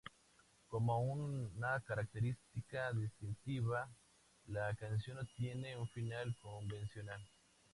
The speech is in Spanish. Como una característica distintiva, la canción no tiene un final convencional.